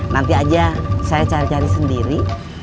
nanti aja saya cari cari sendiri